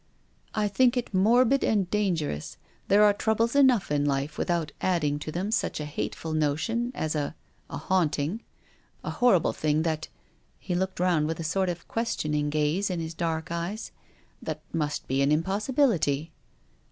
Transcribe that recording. " I think it morbid and dangerous. There are troubles enough in life without adding to them such a hateful notion as a — a haunting ; a horrible . thing that —" he looked round with a sort of questioning gaze in his dark eyes —" that must be an impossibility."